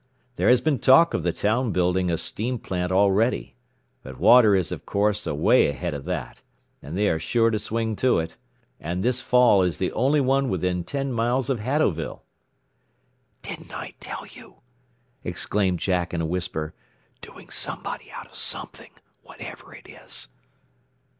There has been talk of the town building a steam plant already; but water is of course away ahead of that, and they are sure to swing to it. And this fall is the only one within ten miles of Haddowville." "Didn't I tell you!" exclaimed Jack in a whisper. "Doing somebody out of something, whatever it is."